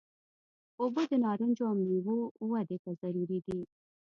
اوبه د نارنجو او میوو ودې ته ضروري دي.